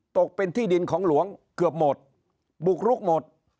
ตกเป็นที่ดินของหลวงเกือบหมดบุกรุกหมด